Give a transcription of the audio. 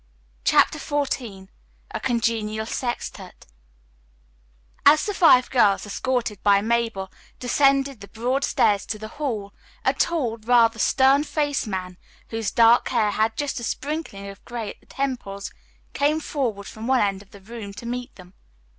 CHAPTER XIV A CONGENIAL SEXTETTE As the five girls, escorted by Mabel, descended the broad stairs to the hall, a tall, rather stern faced man, whose dark hair had just a sprinkling of gray at the temples, came forward from one end of the room to meet them.